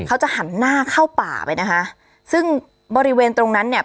เขาจะหันหน้าเข้าป่าไปนะคะซึ่งบริเวณตรงนั้นเนี่ย